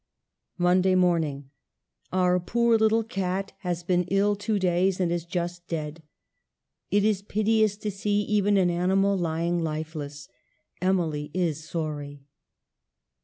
" Monday morning. " Our poor little cat has been ill two days and is just dead. It is piteous to see even an animal lying lifeless. Emily is sorry."